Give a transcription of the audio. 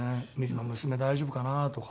今娘大丈夫かな？とか。